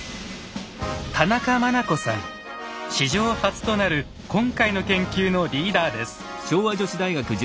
史上初となる今回の研究のリーダーです。